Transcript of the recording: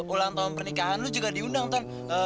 ulang tahun pernikahan lu juga diundang tuh